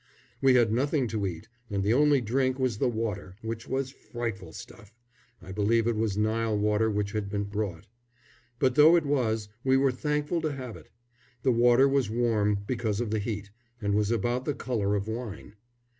We had nothing to eat, and the only drink was the water, which was frightful stuff I believe it was Nile water which had been brought. But though it was, we were thankful to have it. The water was warm, because of the heat, and was about the colour of wine.